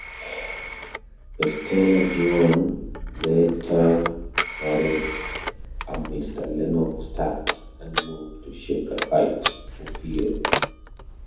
Estella Joanne later married a Mr. Lennox Stuart and moved to Shaker Heights, Ohio.